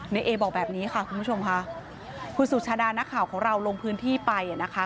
ในเอบอกแบบนี้ค่ะคุณผู้ชมค่ะคุณสุชาดานักข่าวของเราลงพื้นที่ไปอ่ะนะคะ